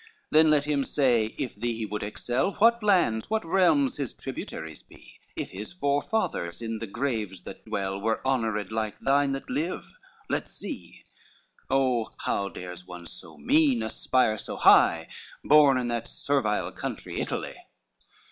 Then let him say, if thee he would excel, What lands, what realms his tributaries be: If his forefathers in the graves that dwell, Were honored like thine that live, let see: Oh how dares one so mean aspire so high, Born in that servile country Italy?